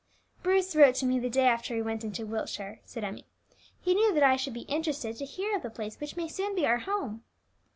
"Bruce wrote to me the day after he went into Wiltshire," said Emmie. "He knew that I should be interested to hear of the place which may soon be our home.